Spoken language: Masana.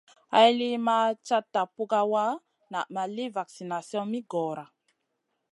Hay li ma cata pukawa naʼ ma li vaksination mi goora.